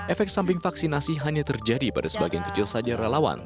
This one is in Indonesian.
efek samping vaksinasi hanya terjadi pada sebagian kecil saja relawan